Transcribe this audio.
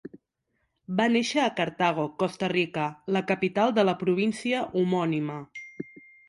Va néixer a Cartago, Costa Rica, la capital de la província homònima.